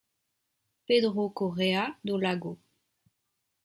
Pedro Corrêa do Lago.